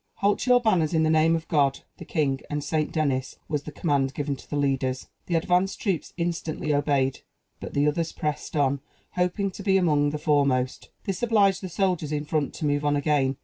"Halt your banners, in the name of God, the king, and St. Denis!" was the command given to the leaders. The advanced troops instantly obeyed; but the others pressed on, hoping to be among the foremost. This obliged the soldiers in front to move on again.